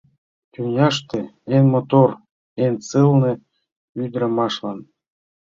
«Тӱняште эн мотор, эн сылне ӱдрамашлан...»